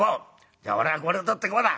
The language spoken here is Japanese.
「じゃあ俺はこれを取ってこうだ」。